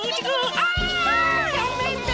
あやめて！